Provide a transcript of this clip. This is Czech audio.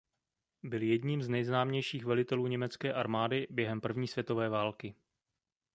Byl jedním z nejznámějších velitelů Německé armády během první světové války.